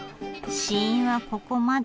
試飲はここまで。